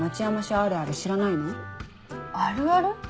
「あるある」？